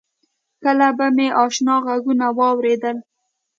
کله به مې آشنا غږونه واورېدل.